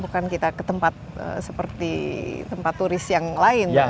bukan kita ke tempat seperti tempat turis yang lain